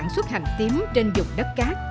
sản xuất hành tím trên dục đất cát